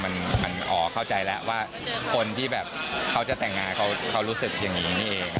มันอ๋อเข้าใจแล้วว่าคนที่แบบเขาจะแต่งงานเขารู้สึกอย่างนี้นี่เอง